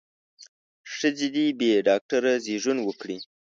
ښځې دې بې ډاکتره زېږون وکړي.